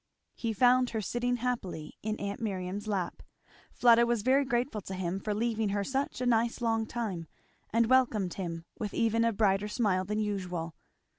He found her sitting happily in aunt Miriam's lap. Fleda was very grateful to him for leaving her such a nice long time, and welcomed him with even a brighter smile than usual.